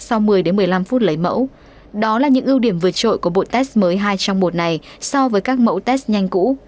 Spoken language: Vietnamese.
sau một mươi một mươi năm phút lấy mẫu đó là những ưu điểm vượt trội của bộ test mới hai trong một này so với các mẫu test nhanh cũ